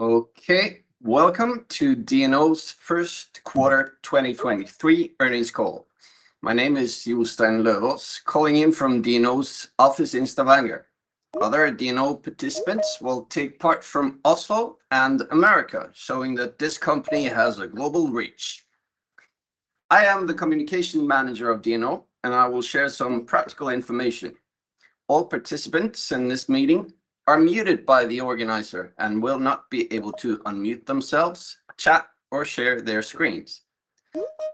Okay. Welcome to DNO's first quarter 2023 Earnings Call. My name is Jostein Løvaas, calling in from DNO's office in Stavanger. Other DNO participants will take part from Oslo and America, showing that this company has a global reach. I am the communication manager of DNO. I will share some practical information. All participants in this meeting are muted by the organizer and will not be able to unmute themselves, chat, or share their screens.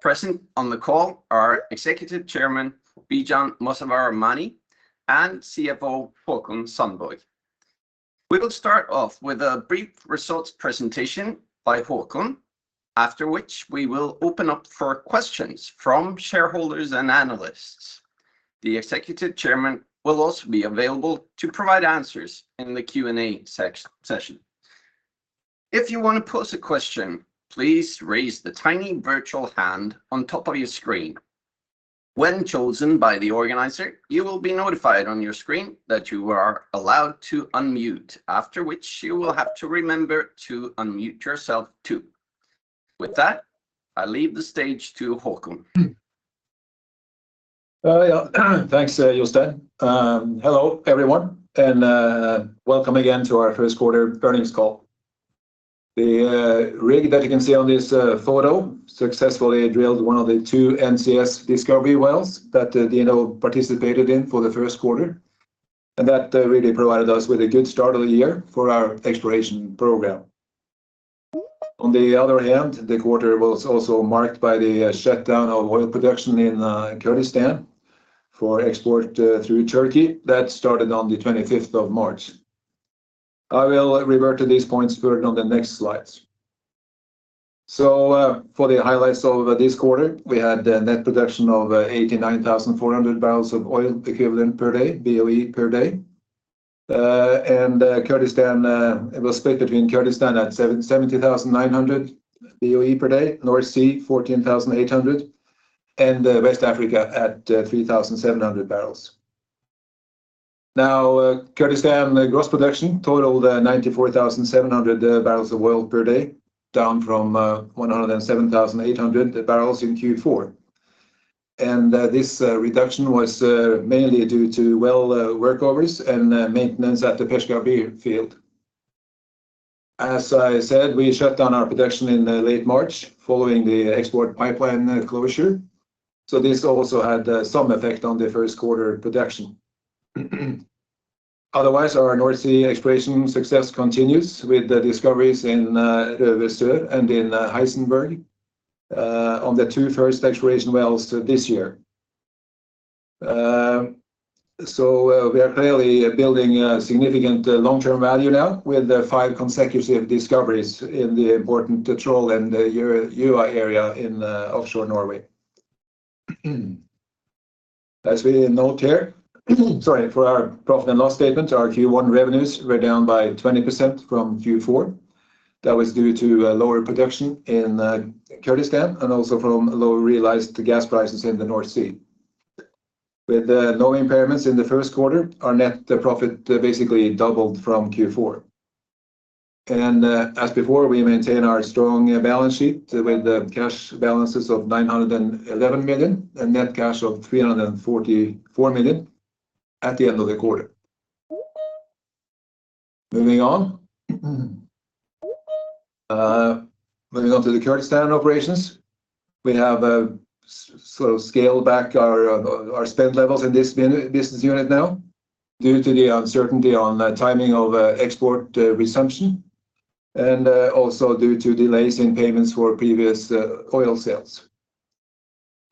Present on the call are Executive Chairman, Bijan Mossavar-Rahmani, and CFO, Haakon Sandbø. We will start off with a brief results presentation by Haakon, after which we will open up for questions from shareholders and analysts. The Executive Chairman will also be available to provide answers in the Q&A session. If you wanna pose a question, please raise the tiny virtual hand on top of your screen. When chosen by the organizer, you will be notified on your screen that you are allowed to unmute, after which you will have to remember to unmute yourself, too. With that, I leave the stage to Haakon. Yeah. Thanks, Jostein. Hello, everyone, welcome again to our first quarter Earnings Call. The rig that you can see on this photo successfully drilled one of the two NCS discovery wells that DNO participated in for the first quarter, that really provided us with a good start of the year for our exploration program. On the other hand, the quarter was also marked by the shutdown of oil production in Kurdistan for export through Turkey. That started on the 25th of March. I will revert to these points further on the next slides. For the highlights of this quarter, we had a net production of 89,400 barrels of oil equivalent per day, BOE per day. Kurdistan, it was split between Kurdistan at 70,900 BOE per day, North Sea, 14,800, and West Africa at 3,700 barrels. Now, Kurdistan gross production totaled 94,700 barrels of oil per day, down from 107,800 barrels in Q4. This reduction was mainly due to well workovers and maintenance at the Peshkabir field. As I said, we shut down our production in late March following the export pipeline closure, this also had some effect on the first quarter production. Otherwise, our North Sea exploration success continues with the discoveries in Røver Sør and in Heisenberg on the two first exploration wells this year. We are clearly building a significant long-term value now with the five consecutive discoveries in the important Troll and Yme area in offshore Norway. As we note here, sorry, for our profit and loss statement, our Q1 revenues were down by 20% from Q4. That was due to lower production in Kurdistan and also from low realized gas prices in the North Sea. With no impairments in the first quarter, our net profit basically doubled from Q4. As before, we maintain our strong balance sheet with the cash balances of $911 million and net cash of $344 million at the end of the quarter. Moving on. Moving on to the Kurdistan operations, we have sort of scaled back our spend levels in this business unit now due to the uncertainty on the timing of export resumption and also due to delays in payments for previous oil sales.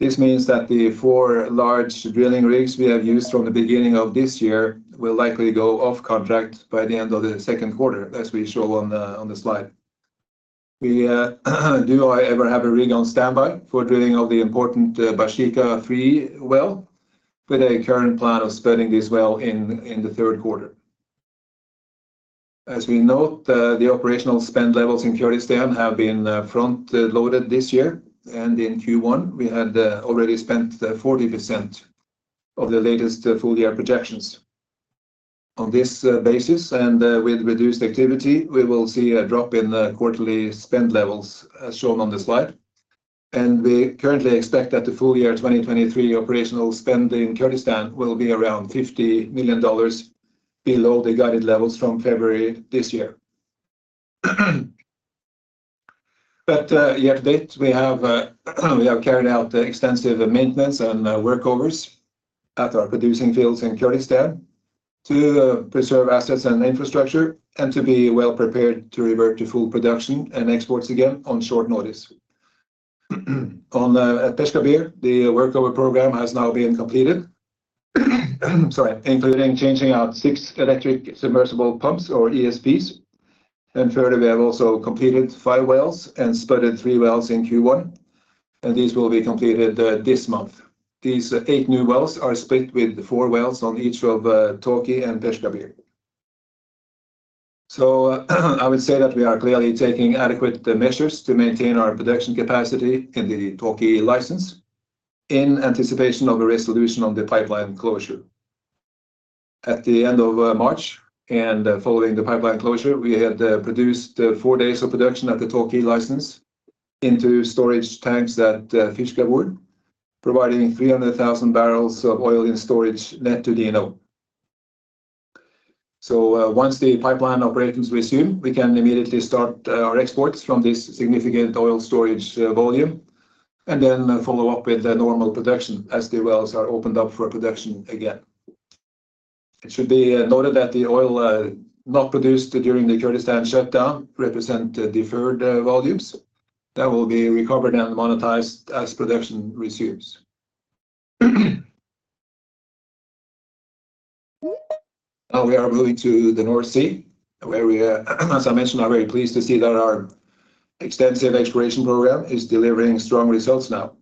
This means that the four large drilling rigs we have used from the beginning of this year will likely go off contract by the end of the second quarter, as we show on the slide. We do however have a rig on standby for drilling of the important Baeshiqa-3 well with a current plan of spudding this well in the third quarter. As we note, the operational spend levels in Kurdistan have been front loaded this year, and in Q1, we had already spent 40% of the latest full year projections. On this basis, with reduced activity, we will see a drop in quarterly spend levels as shown on the slide. We currently expect that the full year 2023 operational spend in Kurdistan will be around $50 million below the guided levels from February this year. Yet to date, we have carried out extensive maintenance and workovers at our producing fields in Kurdistan to preserve assets and infrastructure and to be well prepared to revert to full production and exports again on short notice. At Peshkabir, the workover program has now been completed, sorry, including changing out six electric submersible pumps or ESPs. Further, we have also completed five wells and spudded three wells in Q1, and these will be completed this month. These eight new wells are split with four wells on each of Tawke and Peshkabir. I would say that we are clearly taking adequate measures to maintain our production capacity in the Tawke license in anticipation of a resolution on the pipeline closure. At the end of March and following the pipeline closure, we had produced four days of production at the Tawke license into storage tanks at Fish Khabur providing 300,000 barrels of oil in storage net to DNO. Once the pipeline operations resume, we can immediately start our exports from this significant oil storage volume, and then follow up with the normal production as the wells are opened up for production again. It should be noted that the oil not produced during the Kurdistan shutdown represent deferred volumes that will be recovered and monetized as production resumes. We are moving to the North Sea, where we are, as I mentioned, are very pleased to see that our extensive exploration program is delivering strong results now,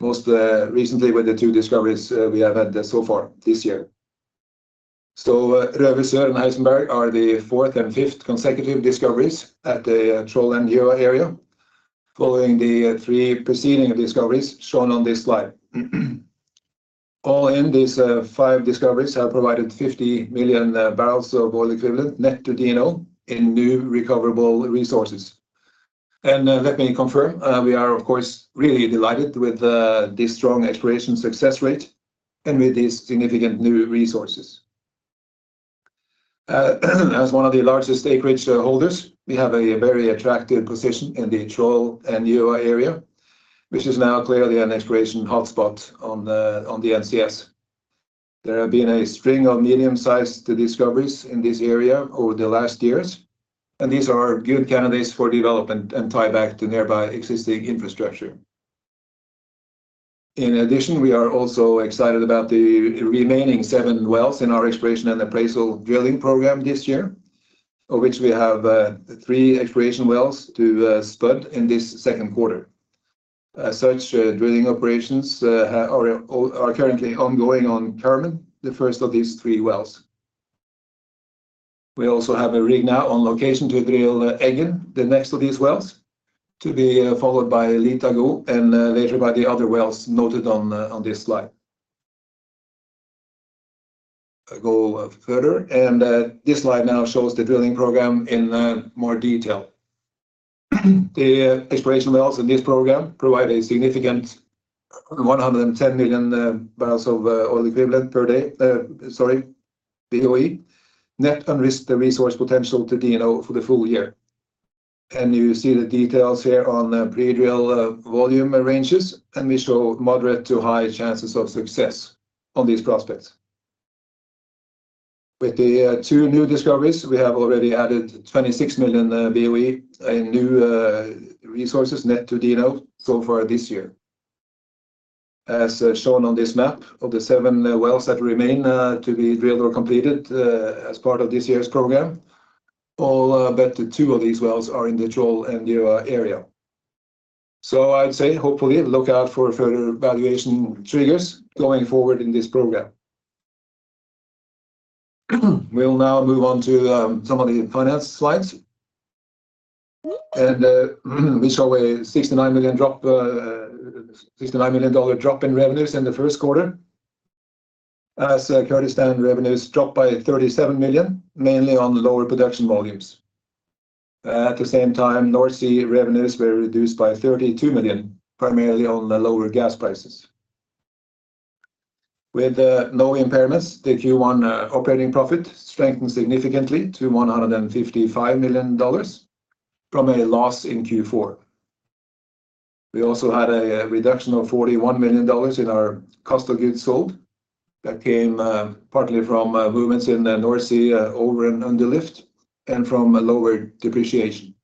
most recently with the two discoveries we have had so far this year. Røver Sør and Heisenberg are the fourth and fifth consecutive discoveries at the Troll-Gjøa area following the three preceding discoveries shown on this slide. All in, these five discoveries have provided 50 million barrels of oil equivalent net to DNO in new recoverable resources. Let me confirm, we are of course, really delighted with this strong exploration success rate and with these significant new resources. As one of the largest acreage holders, we have a very attractive position in the Troll and Gjøa area, which is now clearly an exploration hotspot on the NCS. There have been a string of medium-sized discoveries in this area over the last years. These are good candidates for development and tieback to nearby existing infrastructure. In addition, we are also excited about the remaining seven wells in our exploration and appraisal drilling program this year, of which we have three exploration wells to spud in this second quarter. Such drilling operations are currently ongoing on Carmen, the first of these three wells. We also have a rig now on location to drill Eggen, the next of these wells, to be followed by Litago and later by the other wells noted on this slide. I go further. This slide now shows the drilling program in more detail. The exploration wells in this program provide a significant 110 million BOE per day net unrisked resource potential to DNO for the full year. You see the details here on the pre-drill volume ranges, and we show moderate to high chances of success on these prospects. With the two new discoveries, we have already added 26 million BOE in new resources net to DNO so far this year. As shown on this map of the seven wells that remain to be drilled or completed as part of this year's program, all but the two of these wells are in the Troll and Gjøa area. I'd say hopefully look out for further valuation triggers going forward in this program. We'll now move on to some of the finance slides. We saw a $69 million dollar drop in revenues in the first quarter as Kurdistan revenues dropped by $37 million, mainly on lower production volumes. At the same time, North Sea revenues were reduced by $32 million, primarily on the lower gas prices. With no impairments, the Q1 operating profit strengthened significantly to $155 million from a loss in Q4. We also had a reduction of $41 million in our cost of goods sold that came partly from movements in the North Sea over and underlift, and from a lower depreciation.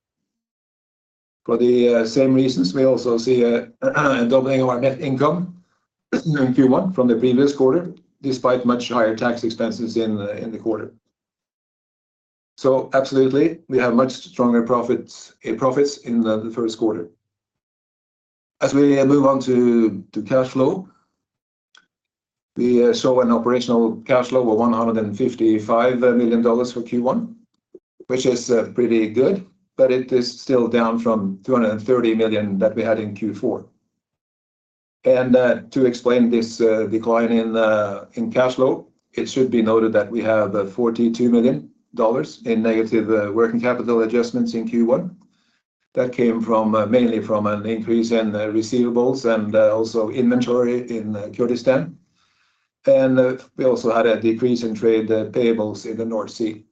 For the same reasons, we also see a doubling of our net income in Q1 from the previous quarter, despite much higher tax expenses in the quarter. Absolutely, we have much stronger profits in the first quarter. As we move on to cash flow, we saw an operational cash flow of $155 million for Q1, which is pretty good, but it is still down from $230 million that we had in Q4. To explain this decline in cash flow, it should be noted that we have $42 million in negative working capital adjustments in Q1 that came from mainly from an increase in receivables and also inventory in Kurdistan. We also had a decrease in trade payables in the North Sea.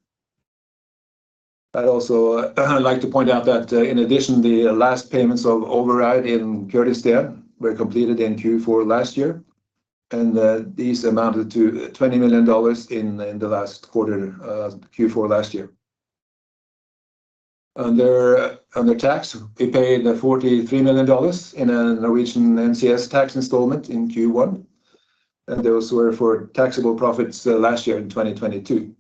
I'd also, like to point out that in addition, the last payments of override in Kurdistan were completed in Q4 last year, and these amounted to $20 million in the last quarter, Q4 last year. Under tax, we paid $43 million in a Norwegian NCS tax installment in Q1, and those were for taxable profits last year in 2022.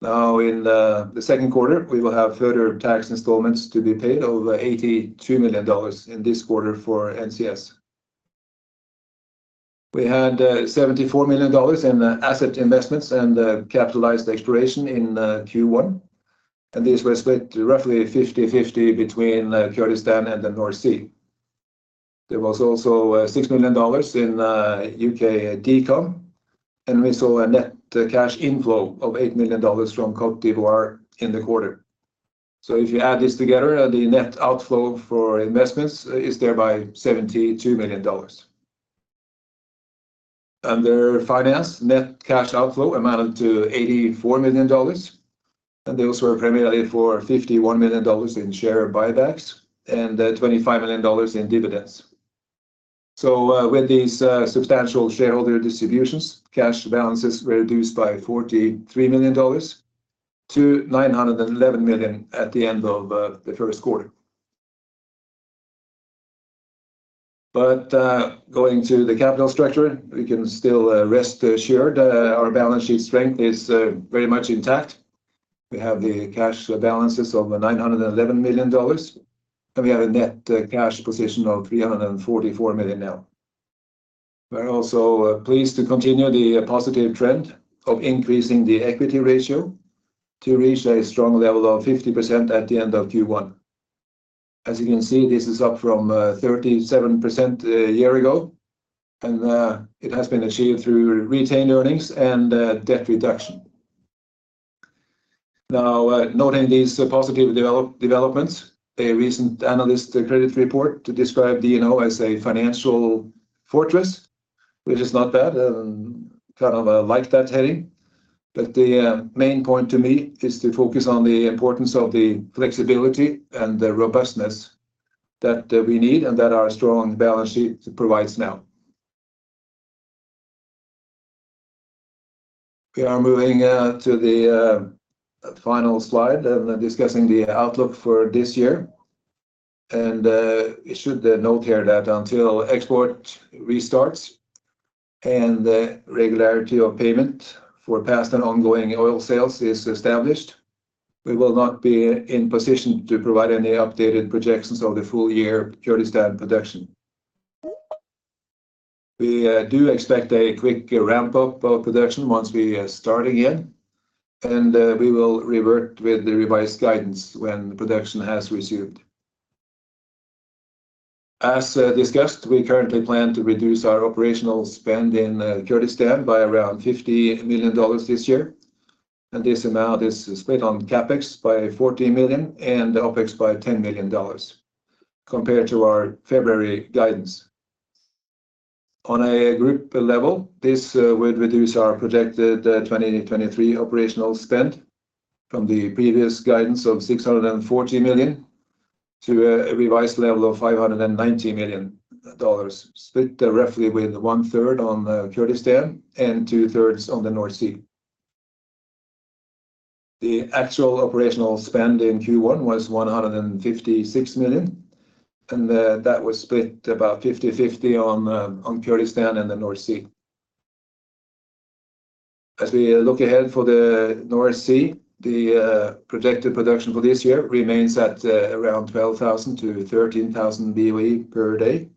Now in the second quarter, we will have further tax installments to be paid over $82 million in this quarter for NCS. We had $74 million in asset investments and capitalized exploration in Q1. And these were split roughly 50/50 between Kurdistan and the North Sea. There was also $6 million in UK Decom, and we saw a net cash inflow of $8 million from Cote d'Ivoire in the quarter. If you add this together, the net outflow for investments is thereby $72 million. Under finance, net cash outflow amounted to $84 million. Those were primarily for $51 million in share buybacks and $25 million in dividends. With these substantial shareholder distributions, cash balances were reduced by $43 million-$911 million at the end of the first quarter. Going to the capital structure, we can still rest assured, our balance sheet strength is very much intact. We have the cash balances of $911 million, and we have a net cash position of $344 million now. We're also pleased to continue the positive trend of increasing the equity ratio to reach a strong level of 50% at the end of Q1. As you can see, this is up from 37% a year ago, and it has been achieved through retained earnings and debt reduction. Now, noting these positive developments, a recent analyst credit report described DNO as a financial fortress, which is not bad, kind of like that heading. The main point to me is to focus on the importance of the flexibility and the robustness that we need and that our strong balance sheet provides now. We are moving to the final slide and discussing the outlook for this year. We should note here that until export restarts and the regularity of payment for past and ongoing oil sales is established, we will not be in position to provide any updated projections of the full year Kurdistan production. We do expect a quick ramp-up of production once we start again, and we will revert with the revised guidance when production has resumed. As discussed, we currently plan to reduce our operational spend in Kurdistan by around $50 million this year, and this amount is split on CapEx by $14 million and OpEx by $10 million compared to our February guidance. On a group level, this would reduce our projected 2023 operational spend from the previous guidance of $640 million to a revised level of $590 million, split roughly with one-third on Kurdistan and two-thirds on the North Sea. The actual operational spend in Q1 was $156 million, and that was split about 50/50 on Kurdistan and the North Sea. As we look ahead for the North Sea, the projected production for this year remains at around 12,000-13,000 BOE per day,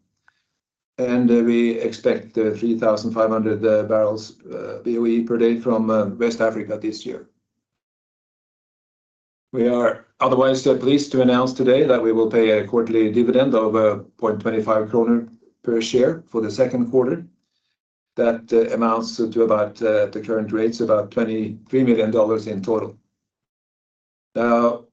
and we expect 3,500 barrels BOE per day from West Africa this year. We are otherwise pleased to announce today that we will pay a quarterly dividend of 0.25 kroner per share for the second quarter. That amounts to about the current rates, about $23 million in total.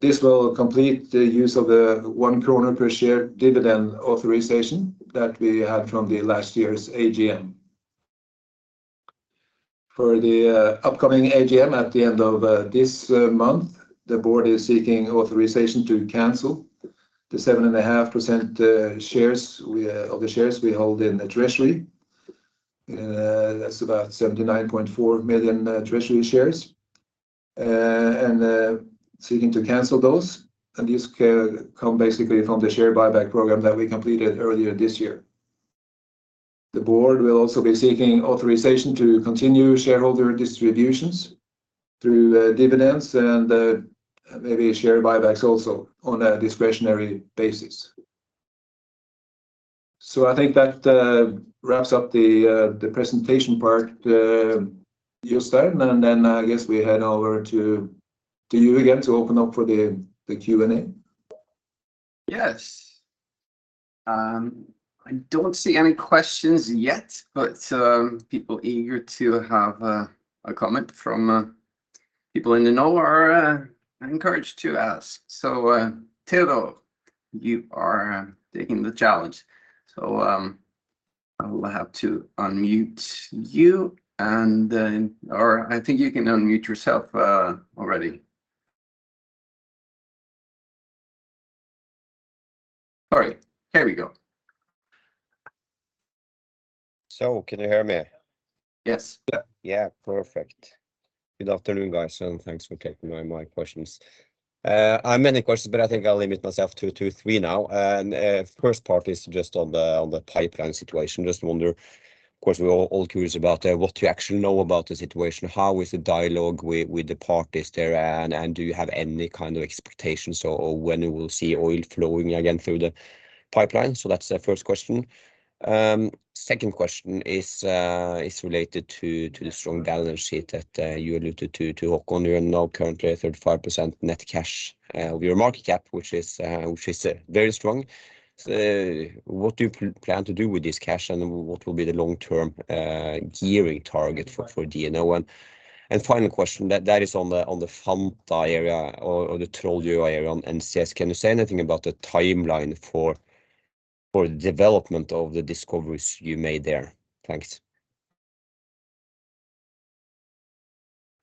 This will complete the use of the 1 kroner per share dividend authorization that we had from the last year's AGM. For the upcoming AGM at the end of this month, the board is seeking authorization to cancel the 7.5% shares we of the shares we hold in the treasury. That's about 79.4 million treasury shares, and seeking to cancel those. These come basically from the share buyback program that we completed earlier this year. The board will also be seeking authorization to continue shareholder distributions through dividends and maybe share buybacks also on a discretionary basis. I think that wraps up the presentation part, Jostein, and then I guess we head over to you again to open up for the Q&A. Yes. I don't see any questions yet. People eager to have a comment from people in the know are encouraged to ask. Tero, you are taking the challenge. I'll have to unmute you or I think you can unmute yourself already. All right, here we go. Can you hear me? Yes. Yeah. Yeah, perfect. Good afternoon, guys, and thanks for taking my questions. I have many questions, but I think I'll limit myself to three now. First part is just on the pipeline situation. Just wonder, of course, we're all curious about what you actually know about the situation. How is the dialogue with the parties there, and do you have any kind of expectations or when you will see oil flowing again through the pipeline? That's the first question. Second question is related to the strong balance sheet that you alluded to Haakon. You are now currently at 35% net cash of your market cap, which is very strong. What do you plan to do with this cash, and what will be the long-term gearing target for DNO? Final question, that is on the Fenja area or the Troll-Gjøa area. Just can you say anything about the timeline for the development of the discoveries you made there? Thanks.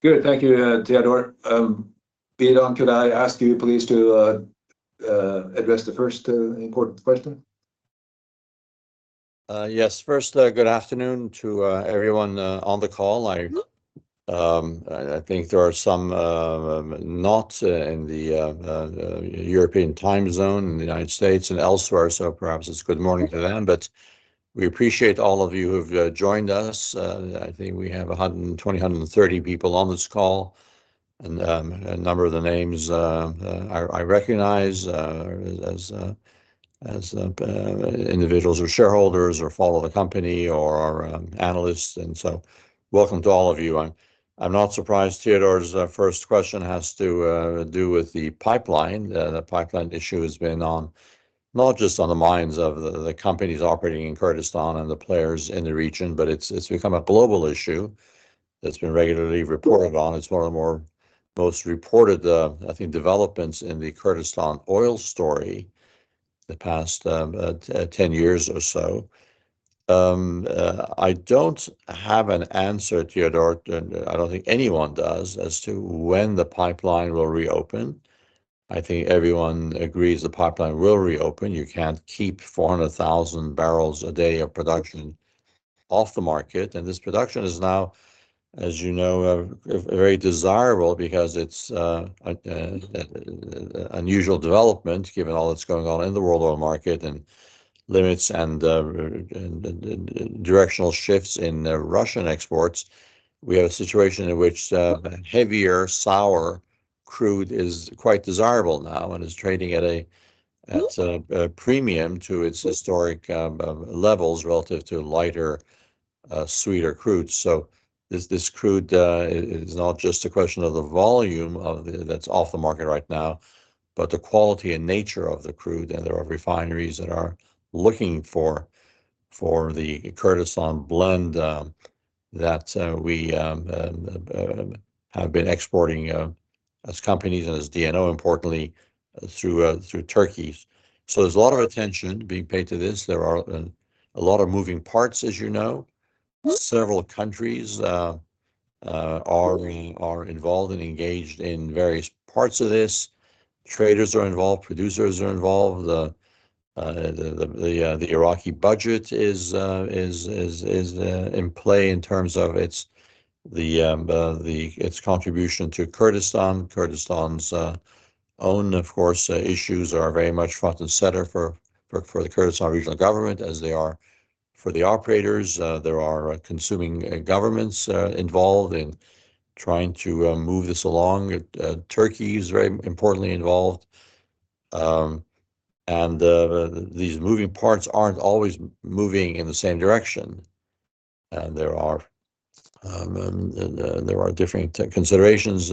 Good. Thank you, Theodore. Bijan, could I ask you please to address the first important question? Yes. First, good afternoon to everyone on the call. I think there are some not in the European time zone, in the United States and elsewhere, so perhaps it's good morning to them. We appreciate all of you who've joined us. I think we have 120, 130 people on this call, and a number of the names I recognize as individuals or shareholders or follow the company or are analysts, and welcome to all of you. I'm not surprised Teodor's first question has to do with the pipeline. The pipeline issue has been on... not just on the minds of the companies operating in Kurdistan and the players in the region, but it's become a global issue that's been regularly reported on. It's one of the more, most reported, I think, developments in the Kurdistan oil story the past 10 years or so. I don't have an answer, Teodor, and I don't think anyone does, as to when the pipeline will reopen. I think everyone agrees the pipeline will reopen. You can't keep 400,000 barrels a day of production off the market, and this production is now, as you know, very desirable because it's a unusual development given all that's going on in the world oil market and limits and directional shifts in Russian exports. We have a situation in which heavier sour crude is quite desirable now and is trading at a premium to its historic levels relative to lighter sweeter crude. This crude is not just a question of the volume of that's off the market right now, but the quality and nature of the crude, there are refineries that are looking for for the Kurdish Blend that we have been exporting as companies and as DNO, importantly, through Turkey. There's a lot of attention being paid to this. There are a lot of moving parts, as you know. Several countries are involved and engaged in various parts of this. Traders are involved. Producers are involved. The Iraqi budget is in play in terms of its contribution to Kurdistan. Kurdistan's own, of course, issues are very much front and center for the Kurdistan Regional Government, as they are for the operators. There are consuming governments involved in trying to move this along. Turkey is very importantly involved. These moving parts aren't always moving in the same direction. There are different considerations,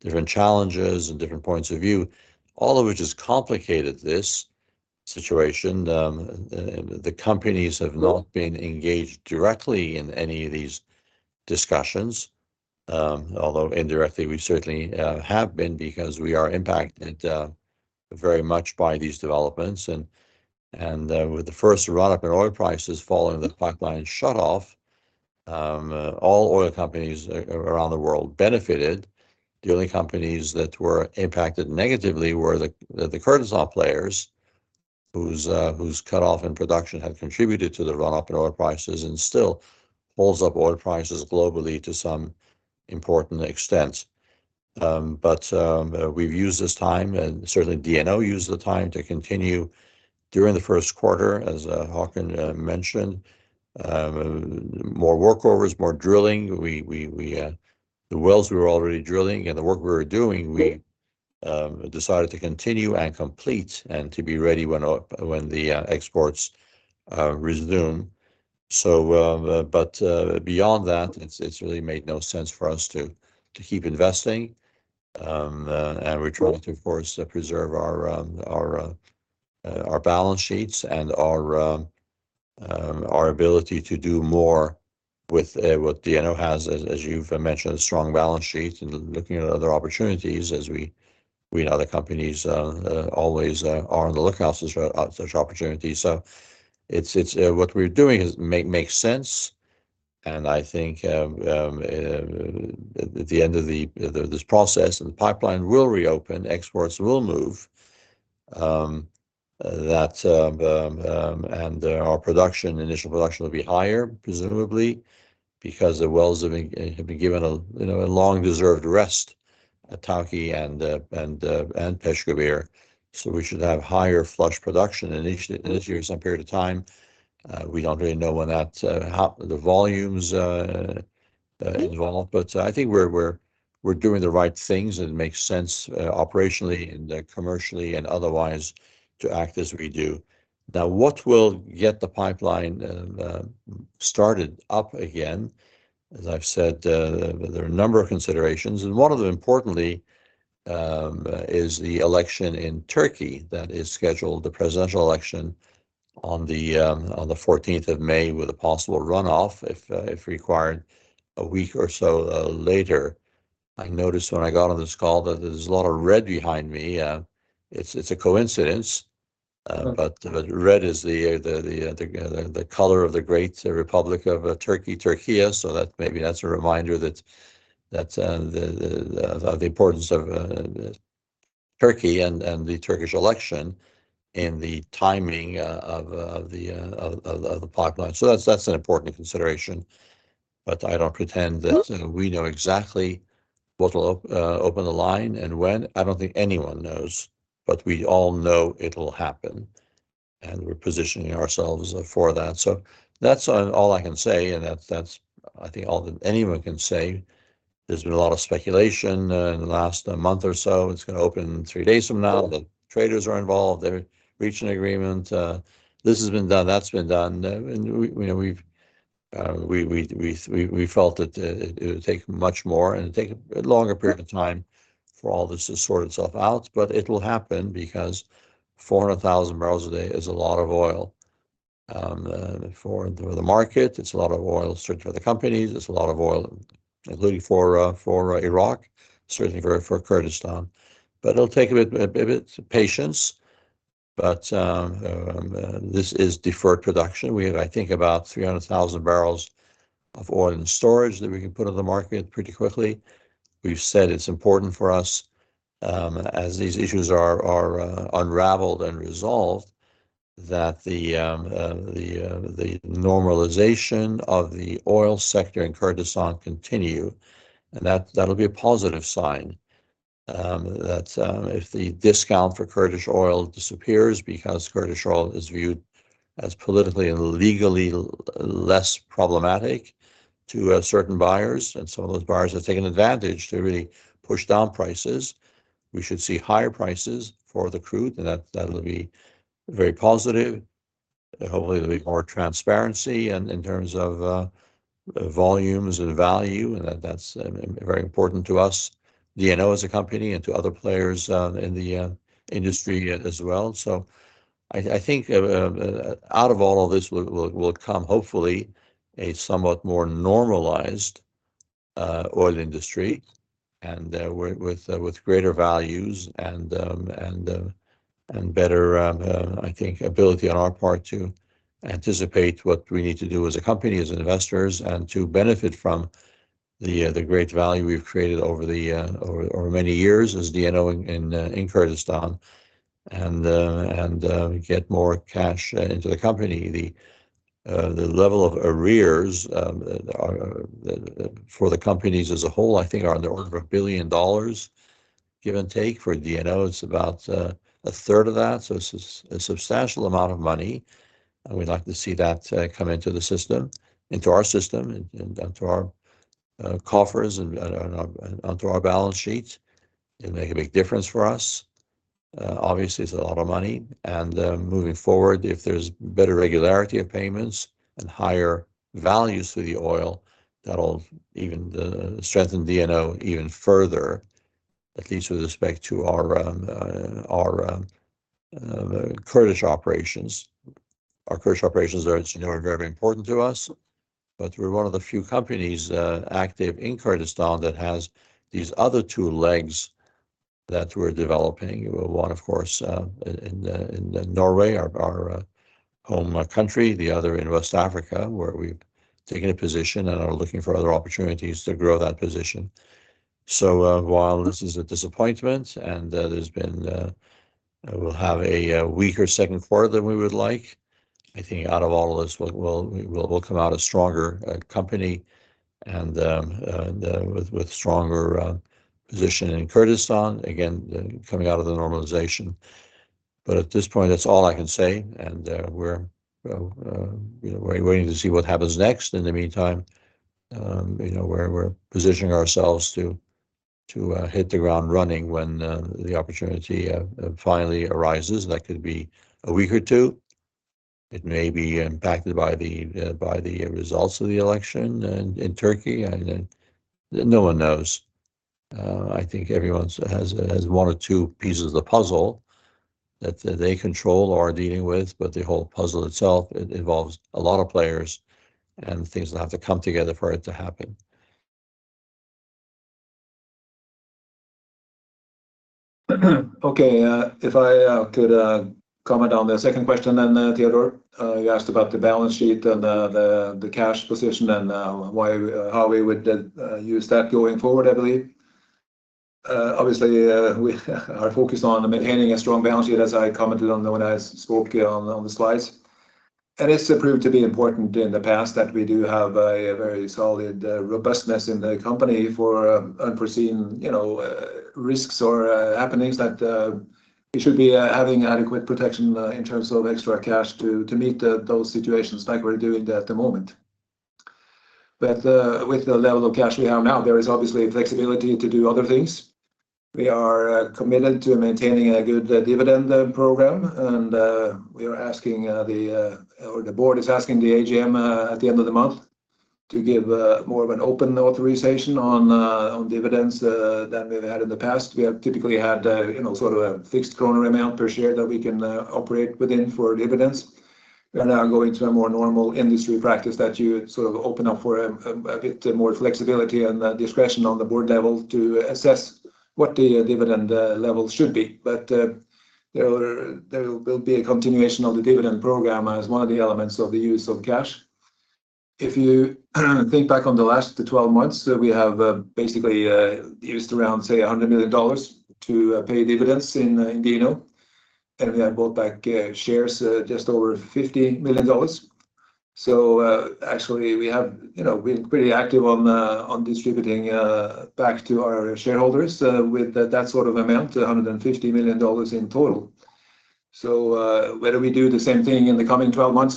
different challenges and different points of view, all of which has complicated this situation. The companies have not been engaged directly in any of these discussions, although indirectly, we certainly have been because we are impacted very much by these developments. With the first run up in oil prices following the pipeline shut off, all oil companies around the world benefited. The only companies that were impacted negatively were the Kurdistan players, whose cutoff in production had contributed to the run-up in oil prices and still holds up oil prices globally to some important extent. We've used this time, and certainly DNO used the time, to continue during the first quarter, as Haakon mentioned, more workovers, more drilling. We, the wells we were already drilling and the work we were doing, we decided to continue and complete and to be ready when the exports resume. Beyond that, it's really made no sense for us to keep investing. We're trying to, of course, preserve our balance sheets and our ability to do more with what DNO has, as you've mentioned, a strong balance sheet and looking at other opportunities as we and other companies always are on the lookout for such opportunities. It's what we're doing is makes sense, and I think at the end of this process, the pipeline will reopen. Exports will move. That and our production, initial production will be higher presumably because the wells have been given a, you know, a long-deserved rest at Tawke and Peshkabir. We should have higher flush production initially some period of time. We don't really know when that, how the volumes involved. I think we're doing the right things, and it makes sense operationally and commercially and otherwise to act as we do. Now, what will get the pipeline started up again, as I've said, there are a number of considerations. One of them importantly, is the election in Turkey that is scheduled, the presidential election on the 14th of May with a possible runoff if required a week or so later. I noticed when I got on this call that there's a lot of red behind me. It's a coincidence. The red is the color of the great Republic of Turkey, Türkiye. That maybe that's a reminder that the importance of Turkey and the Turkish election in the timing of the pipeline. That's an important consideration. I don't pretend that we know exactly what will open the line and when. I don't think anyone knows, but we all know it'll happen, and we're positioning ourselves for that. That's all I can say, and that's I think all that anyone can say. There's been a lot of speculation in the last month or so. It's gonna open three days from now. The traders are involved. They're reaching an agreement. This has been done. That's been done. We, you know, we've felt that it would take much more and take a longer period of time for all this to sort itself out. It will happen because 400,000 barrels a day is a lot of oil for the market. It's a lot of oil certainly for the companies. It's a lot of oil including for Iraq, certainly for Kurdistan. It'll take a bit of patience. This is deferred production. We have, I think, about 300,000 barrels of oil in storage that we can put on the market pretty quickly. We've said it's important for us as these issues are unraveled and resolved that the normalization of the oil sector in Kurdistan continue. That'll be a positive sign that if the discount for Kurdish oil disappears because Kurdish oil is viewed as politically and legally less problematic to certain buyers, and some of those buyers have taken advantage to really push down prices. We should see higher prices for the crude, and that'll be very positive. Hopefully, there'll be more transparency and in terms of volumes and value, and that's very important to us, DNO as a company and to other players in the industry as well. I think, out of all of this will come hopefully a somewhat more normalized oil industry and with greater values and better I think ability on our part to anticipate what we need to do as a company, as investors, and to benefit from the great value we've created over the over many years as DNO in Kurdistan and get more cash into the company. The level of arrears for the companies as a whole, I think are on the order of $1 billion, give and take. For DNO, it's about a third of that. It's a substantial amount of money, we'd like to see that come into the system, into our system and onto our coffers and onto our balance sheets. It'll make a big difference for us. Obviously, it's a lot of money. Moving forward, if there's better regularity of payments and higher values for the oil, that'll even strengthen DNO even further, at least with respect to our Kurdish operations. Our Kurdish operations are, as you know, very important to us. We're one of the few companies active in Kurdistan that has these other two legs that we're developing. One, of course, in Norway, our home country, the other in West Africa, where we've taken a position and are looking for other opportunities to grow that position. While this is a disappointment and there's been... we'll have a weaker second quarter than we would like, I think out of all of this, we'll come out a stronger company and with stronger position in Kurdistan, again, coming out of the normalization. At this point, that's all I can say. You know, we're waiting to see what happens next. In the meantime, you know, we're positioning ourselves to hit the ground running when the opportunity finally arises. That could be a week or two. It may be impacted by the results of the election in Turkey. No one knows. I think everyone has one or two pieces of the puzzle that they control or are dealing with. The whole puzzle itself, it involves a lot of players, and things will have to come together for it to happen. Okay, if I could comment on the second question then, Theodore. You asked about the balance sheet and the cash position and why, how we would use that going forward, I believe. Obviously, we are focused on maintaining a strong balance sheet as I commented on when I spoke on the slides. It's approved to be important in the past that we do have a very solid robustness in the company for unforeseen, you know, risks or happenings that we should be having adequate protection in terms of extra cash to meet those situations like we're doing at the moment. With the level of cash we have now, there is obviously flexibility to do other things. We are committed to maintaining a good dividend program. The board is asking the AGM at the end of the month to give more of an open authorization on on dividends than we've had in the past. We have typically had, you know, sort of a fixed kroner amount per share that we can operate within for dividends. We are now going to a more normal industry practice that you sort of open up for a bit more flexibility and discretion on the board level to assess what the dividend level should be. There will be a continuation of the dividend program as one of the elements of the use of cash. If you think back on the last 12 months, we have, basically, used around, say, $100 million to pay dividends in DNO. We have bought back, shares just over $50 million. Actually, we have, you know, been pretty active on distributing, back to our shareholders, with that sort of amount, $150 million in total. Whether we do the same thing in the coming 12 months,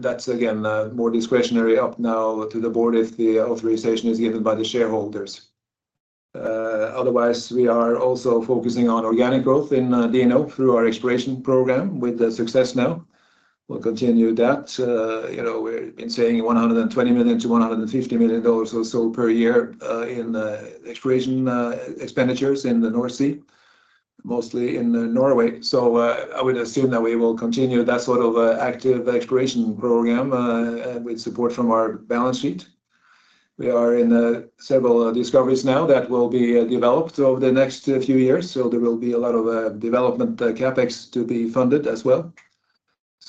that's again, more discretionary up now to the board if the authorization is given by the shareholders. Otherwise, we are also focusing on organic growth in, DNO through our exploration program with the success now. We'll continue that, you know, we've been saying $120 million-$150 million or so per year, in exploration expenditures in the North Sea, mostly in Norway. I would assume that we will continue that sort of active exploration program, with support from our balance sheet. We are in several discoveries now that will be developed over the next few years, so there will be a lot of development CapEx to be funded as well.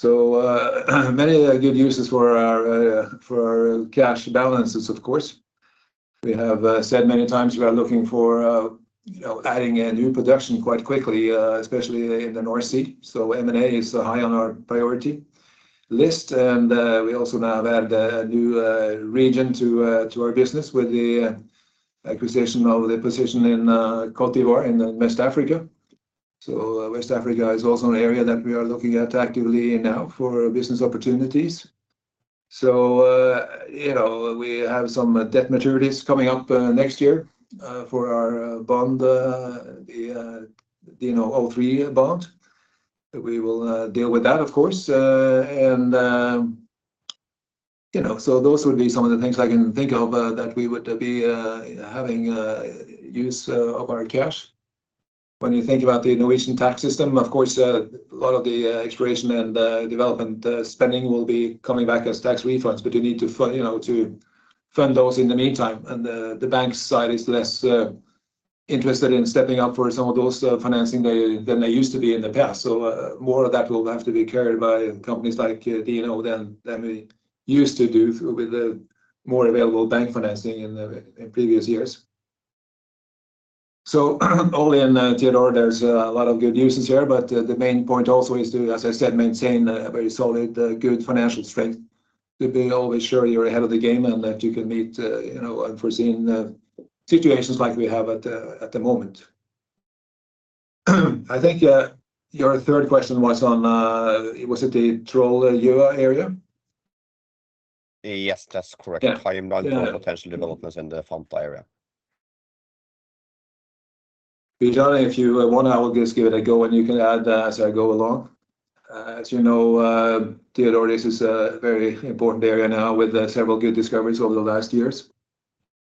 Many good uses for our cash balances, of course. We have said many times we are looking for, you know, adding a new production quite quickly, especially in the North Sea. M&A is high on our priority list. We also now have added a new region to our business with the acquisition of the position in Côte d'Ivoire in West Africa. West Africa is also an area that we are looking at actively now for business opportunities. You know, we have some debt maturities coming up next year for our bond, the, you know, '03 bond. We will deal with that, of course. You know, so those would be some of the things I can think of that we would be having use of our cash. When you think about the innovation tax system, of course, a lot of the exploration and development spending will be coming back as tax refunds, but you need you know, to fund those in the meantime. The, the bank side is less interested in stepping up for some of those financing they, than they used to be in the past. More of that will have to be carried by companies like DNO than we used to do with the more available bank financing in the, in previous years. All in, Teodor, there's a lot of good uses here, but the main point also is to, as I said, maintain a very solid, good financial strength to being always sure you're ahead of the game and that you can meet, you know, unforeseen situations like we have at the, at the moment. I think, your third question was on, was it the Troll-Yme area? Yes, that's correct. Yeah. Time line for potential developments in the Fenja area. Bijan, if you want, I will just give it a go and you can add as I go along. As you know, Theodore, this is a very important area now with several good discoveries over the last years.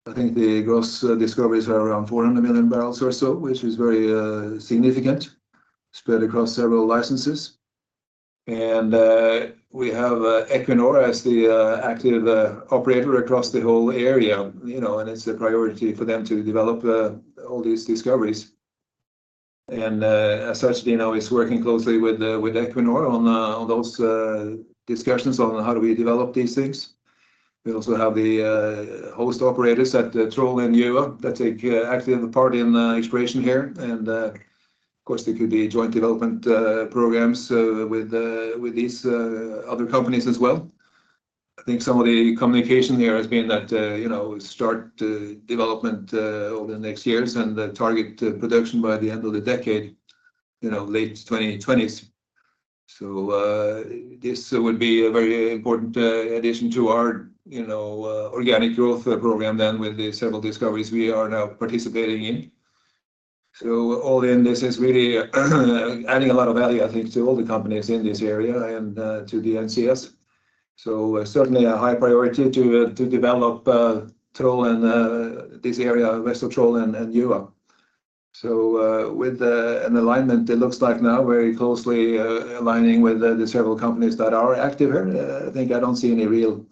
I think the gross discoveries are around 400 million barrels or so, which is very significant, spread across several licenses. We have Equinor as the active operator across the whole area, you know, and it's a priority for them to develop all these discoveries. As such, DNO is working closely with Equinor on those discussions on how do we develop these things. We also have the host operators at Troll and Yme that take active part in exploration here. Of course, there could be joint development programs with these other companies as well. I think some of the communication here has been that, you know, start development over the next years and target production by the end of the decade, you know, late 2020s. This would be a very important addition to our, you know, organic growth program than with the several discoveries we are now participating in. All in this is really adding a lot of value, I think, to all the companies in this area and to the NCS. Certainly a high priority to develop Troll and this area west of Troll and Yme. With an alignment it looks like now very closely aligning with the several companies that are active here. I think I don't see any real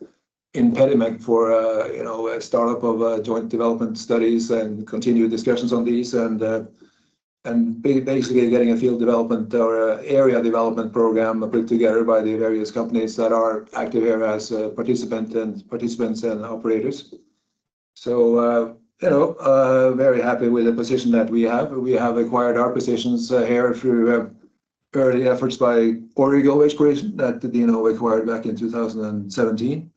impediment for, you know, a startup of joint development studies and continued discussions on these and basically getting a field development or an area development program built together by the various companies that are active here as a participant, and participants and operators. You know, very happy with the position that we have. We have acquired our positions here through early efforts by Origo Exploration that DNO acquired back in 2017.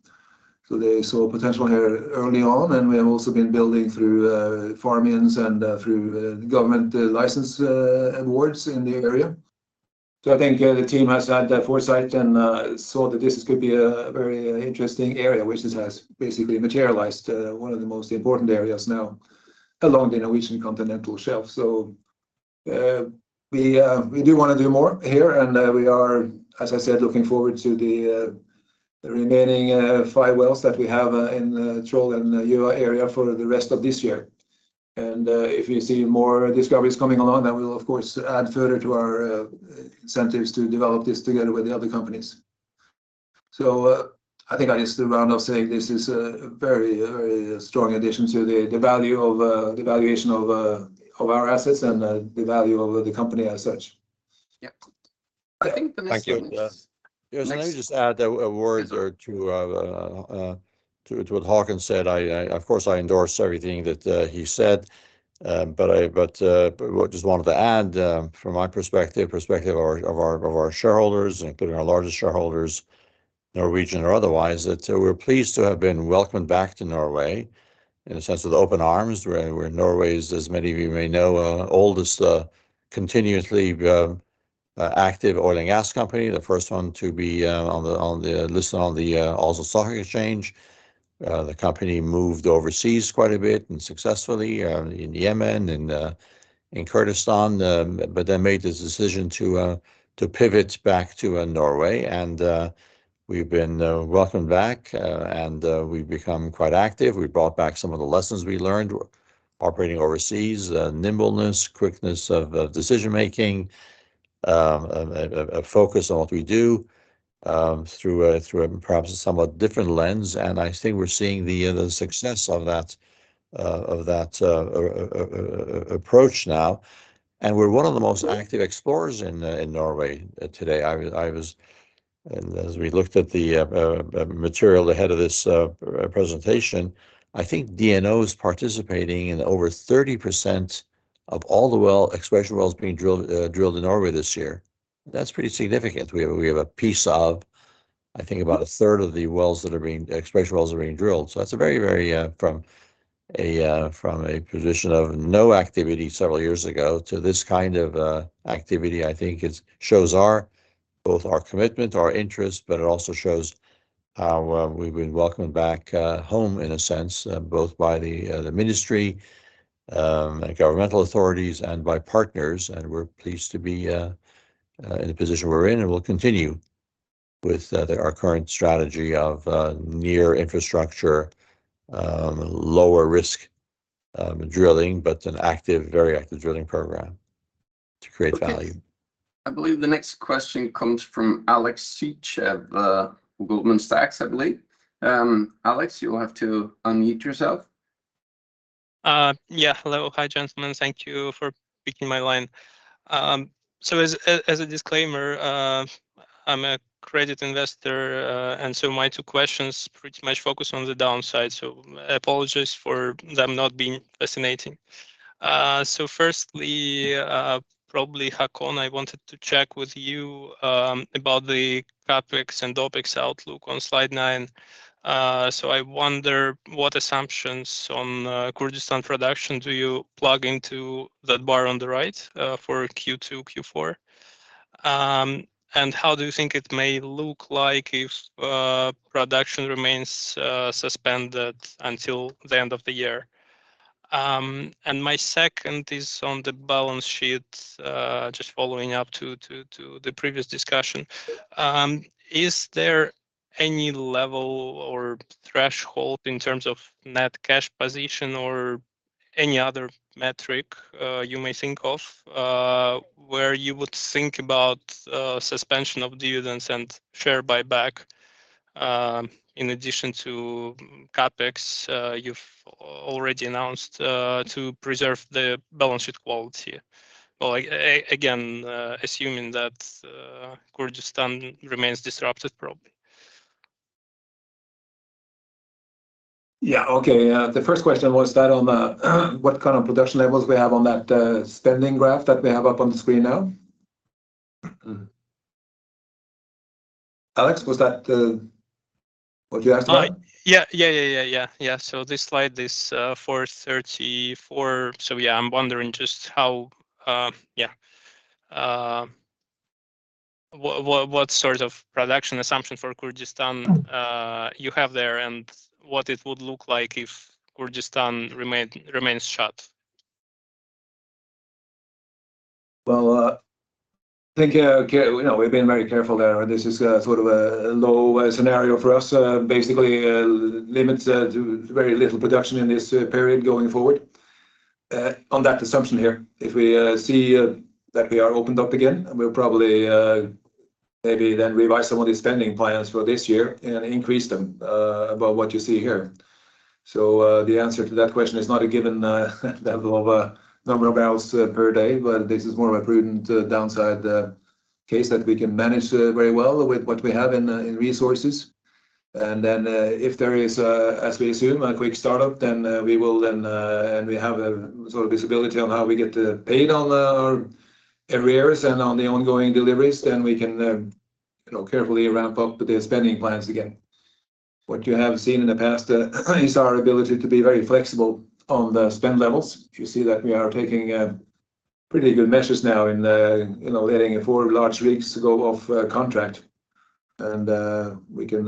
They saw potential here early on, and we have also been building through farms and through government license awards in the area. I think the team has had the foresight and saw that this could be a very interesting area, which it has basically materialized, one of the most important areas now along the Norwegian Continental Shelf. We do wanna do more here, and we are, as I said, looking forward to the remaining five wells that we have in the Troll-Gjøa area for the rest of this year. If we see more discoveries coming along, that will of course add further to our incentives to develop this together with the other companies. I think I'll just round off saying this is a very, very strong addition to the valuation of our assets and the value of the company as such. Yeah. I think the next one is. Thank you. yes... Let me just add a word or two to what Haakon said. I, of course, endorse everything that he said, but I just wanted to add from my perspective of our shareholders, including our largest shareholders, Norwegian or otherwise, that we're pleased to have been welcomed back to Norway in a sense with open arms. We're Norway's, as many of you may know, oldest, continuously active oil and gas company, the first one to be listed on the Oslo Stock Exchange. The company moved overseas quite a bit and successfully in Yemen and in Kurdistan, made this decision to pivot back to Norway. We've been welcomed back, and we've become quite active. We brought back some of the lessons we learned operating overseas, nimbleness, quickness of decision-making, a focus on what we do, through a perhaps a somewhat different lens. I think we're seeing the success of that, of that approach now. We're one of the most active explorers in Norway today. As we looked at the material ahead of this presentation, I think DNO is participating in over 30% of all the exploration wells being drilled in Norway this year. That's pretty significant. We have a piece of, I think, about a third of the exploration wells that are being drilled. That's a very, very from a position of no activity several years ago to this kind of activity, I think it shows our, both our commitment, our interest, but it also shows how we've been welcomed back home in a sense, both by the ministry, the governmental authorities and by partners. We're pleased to be in the position we're in. We'll continue with our current strategy of near infrastructure, lower risk drilling, but an active, very active drilling program to create value. I believe the next question comes from Alex Sich of, Goldman Sachs, I believe. Alex, you'll have to unmute yourself. Yeah. Hello. Hi, gentlemen. Thank you for picking my line. As a disclaimer, I'm a credit investor, and so my two questions pretty much focus on the downside, so apologies for them not being fascinating. Firstly, probably Haakon, I wanted to check with you about the CapEx and OpEx outlook on slide 9. I wonder what assumptions on Kurdistan production do you plug into that bar on the right for Q2, Q4? How do you think it may look like if production remains suspended until the end of the year? My second is on the balance sheet, just following up to the previous discussion. Is there any level or threshold in terms of net cash position or any other metric you may think of, where you would think about suspension of dividends and share buyback, in addition to CapEx you've already announced to preserve the balance sheet quality? Well, again, assuming that Kurdistan remains disrupted, probably. Yeah. Okay. The first question was that on the what kind of production levels we have on that spending graph that we have up on the screen now. Alex, was that? What'd you ask about? Yeah. Yeah, yeah, yeah. Yeah. This slide, this 434. Yeah, I'm wondering just how, yeah, what sort of production assumption for Kurdistan you have there and what it would look like if Kurdistan remains shut. I think, again, you know, we've been very careful there. This is sort of a low scenario for us. Basically, limits to very little production in this period going forward. On that assumption here, if we see that we are opened up again, and we'll probably maybe then revise some of these spending plans for this year and increase them above what you see here. The answer to that question is not a given level of a number of barrels per day, but this is more of a prudent downside case that we can manage very well with what we have in resources. If there is a, as we assume, a quick startup, then, we will then... We have a sort of visibility on how we get paid on the arrears and on the ongoing deliveries, then we can, you know, carefully ramp up the spending plans again. What you have seen in the past is our ability to be very flexible on the spend levels. If you see that we are taking pretty good measures now in, you know, letting four large rigs go off contract. We can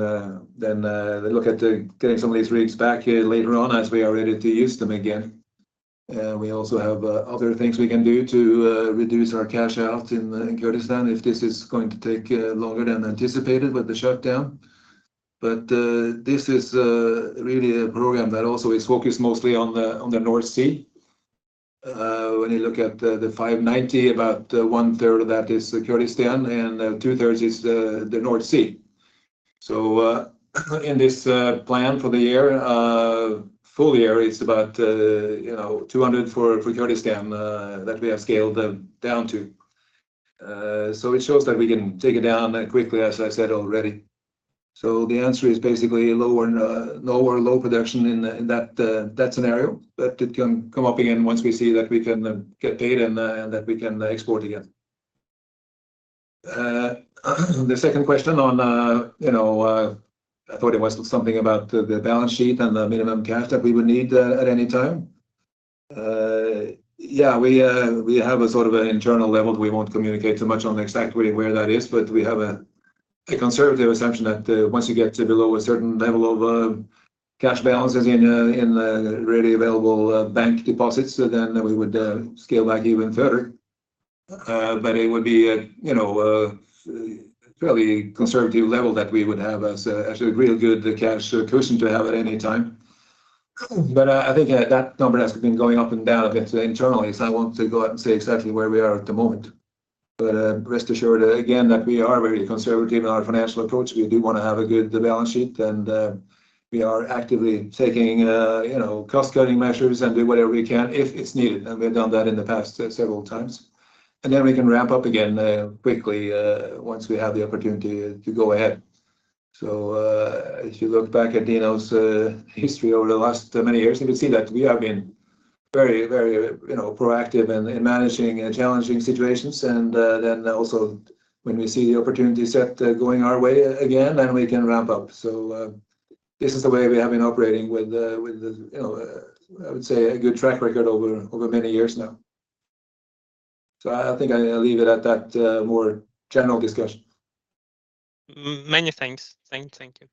then look at getting some of these rigs back here later on as we are ready to use them again. We also have other things we can do to reduce our cash out in Kurdistan if this is going to take longer than anticipated with the shutdown. This is really a program that also is focused mostly on the North Sea. When you look at the $590, about 1/3 of that is Kurdistan and 2/3 is the North Sea. In this plan for the year, full year, it's about, you know, $200 for Kurdistan that we have scaled down to. It shows that we can take it down quickly, as I said already. The answer is basically lower low production in that scenario, but it can come up again once we see that we can get paid and that we can export again. The second question on, you know, I thought it was something about the balance sheet and the minimum cash that we would need at any time. We have a sort of an internal level. We won't communicate too much on exactly where that is, but we have a conservative assumption that once you get to below a certain level of cash balances in readily available bank deposits, so then we would scale back even further. It would be a, you know, a fairly conservative level that we would have as a real good cash cushion to have at any time. I think that number has been going up and down a bit internally, so I won't to go out and say exactly where we are at the moment. Rest assured again, that we are very conservative in our financial approach. We do wanna have a good balance sheet, and we are actively taking, you know, cost-cutting measures and do whatever we can if it's needed. We've done that in the past, several times. We can ramp up again, quickly, once we have the opportunity to go ahead. If you look back at DNO's history over the last many years, you can see that we have been very, you know, proactive in managing challenging situations. Then also when we see the opportunity set, going our way again, then we can ramp up. This is the way we have been operating with the, you know, I would say a good track record over many years now. I think I, leave it at that, more general discussion. Many thanks. Thank you.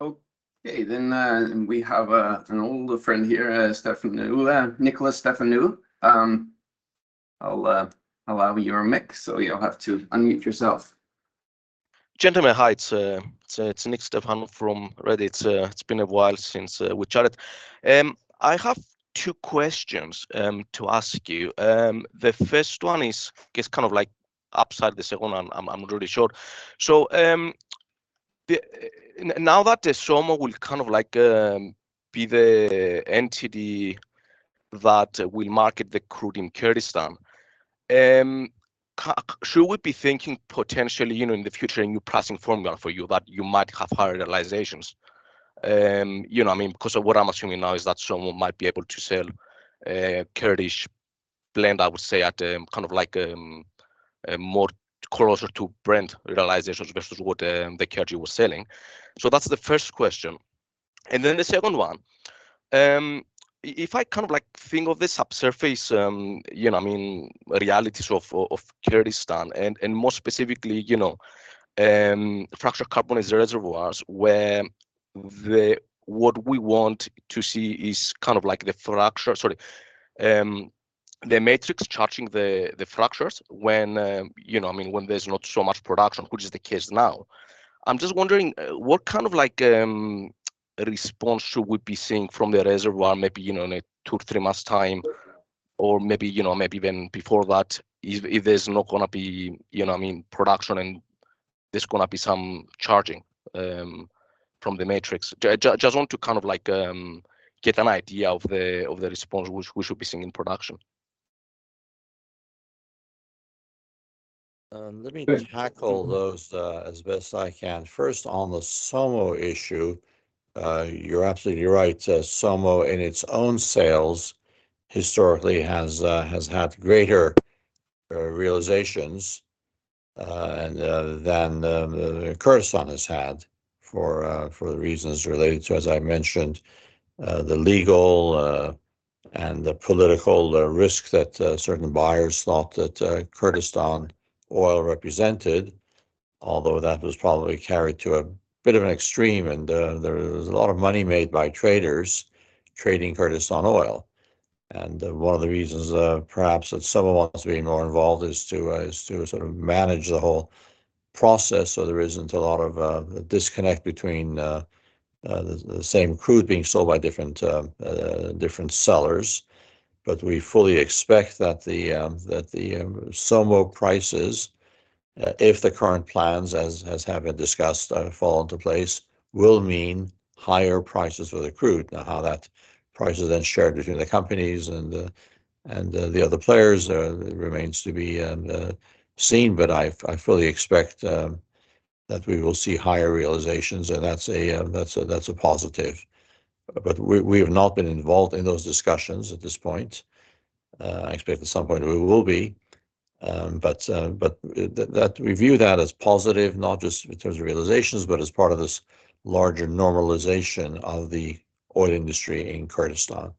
Okay. We have, an older friend here, Teodor Sveen-Nilsen. Teodor Sveen-Nilsen. I'll allow you a mic, so you'll have to unmute yourself. Gentlemen, hi. It's Nick Stefanou from Reddit. It's been a while since we chatted. I have two questions to ask you. The first one is, I guess kind of like upside the second one. I'm really short. Now that the SOMO will kind of like be the entity that will market the crude in Kurdistan, should we be thinking potentially, you know, in the future, a new pricing formula for you that you might have higher realizations? You know what I mean? Because of what I'm assuming now is that SOMO might be able to sell a Kurdish Blend, I would say, at kind of like a more closer to Brent realizations versus what the KRG was selling. That's the first question. The second one, if I kind of like think of the subsurface, you know what I mean, realities of Kurdistan and more specifically, you know, fractured carbonate reservoirs where what we want to see is kind of like Sorry. the matrix charging the fractures when, you know what I mean, when there's not so much production, which is the case now. I'm just wondering, what kind of like response should we be seeing from the reservoir, maybe, you know, in a two, three months time, or maybe, you know, maybe even before that, if there's not gonna be, you know what I mean, production and there's gonna be some charging, from the matrix? Just want to kind of like, get an idea of the response we should be seeing in production? Let me tackle those as best I can. First, on the SOMO issue, you're absolutely right. SOMO in its own sales historically has had greater realizations than Kurdistan has had for the reasons related to, as I mentioned, the legal and the political risk that certain buyers thought that Kurdistan oil represented, although that was probably carried to a bit of an extreme. There was a lot of money made by traders trading Kurdistan oil. One of the reasons perhaps that SOMO wants to be more involved is to sort of manage the whole Process so there isn't a lot of disconnect between the same crude being sold by different sellers. We fully expect that the SOMO prices, if the current plans as have been discussed, fall into place, will mean higher prices for the crude. Now how that price is then shared between the companies and the other players, remains to be seen, but I fully expect that we will see higher realizations, and that's a, that's a, that's a positive. We have not been involved in those discussions at this point. I expect at some point we will be, but we view that as positive, not just in terms of realizations, but as part of this larger normalization of the oil industry in Kurdistan.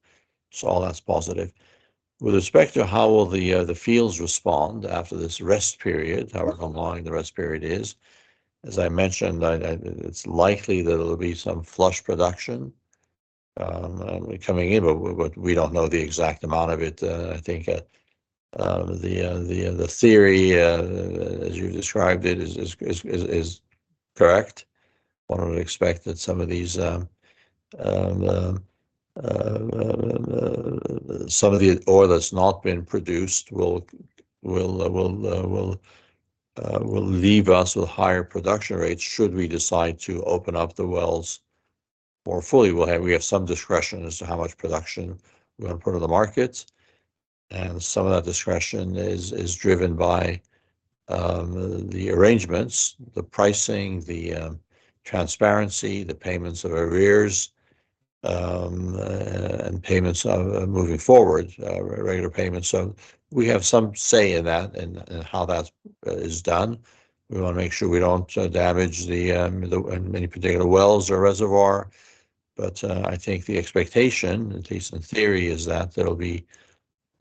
All that's positive. With respect to how will the fields respond after this rest period, however long the rest period is, as I mentioned, it's likely that it'll be some flush production coming in, but we don't know the exact amount of it. I think the theory as you described it is correct. One would expect that some of the oil that's not been produced will leave us with higher production rates should we decide to open up the wells more fully. We have some discretion as to how much production we're gonna put on the market, and some of that discretion is driven by the arrangements, the pricing, the transparency, the payments of arrears, and payments of moving forward, re-regular payments. We have some say in that, in how that is done. We wanna make sure we don't damage the any particular wells or reservoir. Expectation, at least in theory, is that there will be